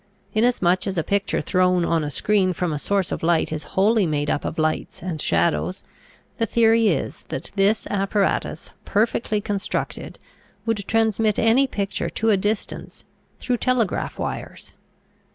Inasmuch as a picture thrown on a screen from a source of light is wholly made up of lights and shadows, the theory is that this apparatus perfectly constructed would transmit any picture to a distance, through telegraph wires.